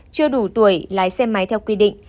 chưa đủ tuổi lái xe máy theo quy định